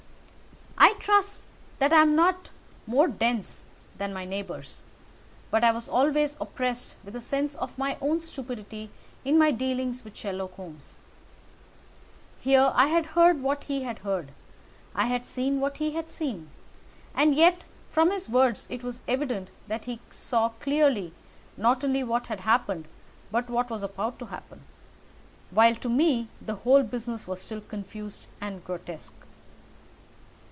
I trust that I am not more dense than my neighbours, but I was always oppressed with a sense of my own stupidity in my dealings with Sherlock Holmes. Here I had heard what he had heard, I had seen what he had seen, and yet from his words it was evident that he saw clearly not only what had happened but what was about to happen, while to me the whole business was still confused and grotesque.